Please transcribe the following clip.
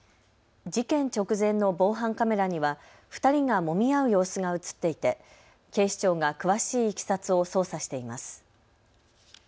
事件直前の防犯カメラには２人がもみ合う様子が写っていて警視庁が詳しいいきさつを捜査しています。